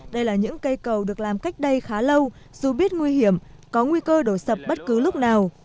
đây là những cây cầu được làm cách đây khá lâu dù biết nguy hiểm có nguy cơ đổ sập bất cứ lúc nào